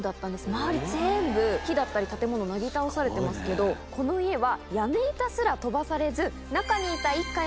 周り全部木だったり建物なぎ倒されてますけどこの家は屋根板すら飛ばされず。